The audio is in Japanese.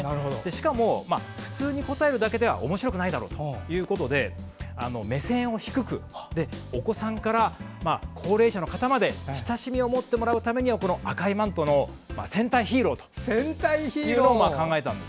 しかも普通に答えるだけではおもしろくないだろうということで目線を低くお子さんから高齢者の方まで親しみを持ってもらうためには赤いマントの戦隊ヒーローを考えたんです。